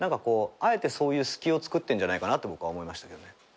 あえてそういう隙をつくってんじゃないかなって僕は思いましたけどね。